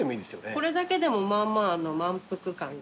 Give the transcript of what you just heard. これだけでもまぁまぁ満腹感が。